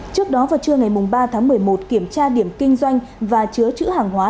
trước đó vào trưa ngày ba tháng một mươi một kiểm tra điểm kinh doanh và chứa chữ hàng hóa